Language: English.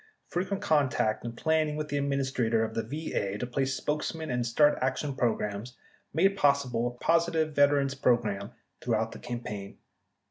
Fre quent contact and planning with the Administrator of the VA to place spokesmen and start action programs made pos sible a positive veterans program throughout the campaign.